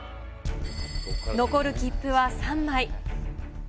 残る切符は３枚。